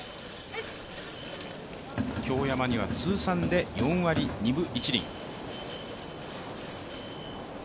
京山には通算で４割２分１厘。